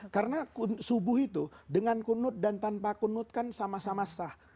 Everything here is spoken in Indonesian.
karena subuh itu dengan kunud dan tanpa kunud kan sama sama sah